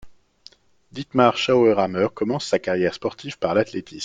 Dietmar Schauerhammer commence sa carrière sportive par l'athlétisme.